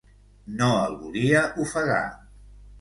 No el volia ofegar.